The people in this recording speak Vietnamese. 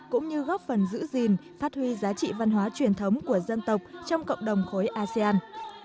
cũng như góp phần giữ gìn phát huy giá trị văn hóa truyền thống của dân tộc trong cộng đồng khối asean